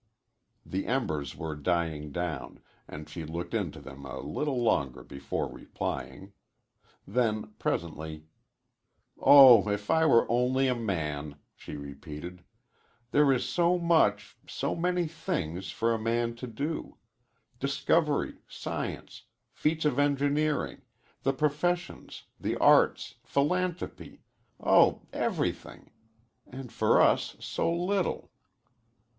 The embers were dying down, and she looked into them a little longer before replying. Then, presently: "Oh, if I were only a man!" she repeated. "There is so much so many things for a man to do. Discovery, science, feats of engineering, the professions, the arts, philanthropy oh, everything! And for us, so little!"